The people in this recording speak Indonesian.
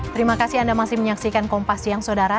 terima kasih anda masih menyaksikan kompas siang saudara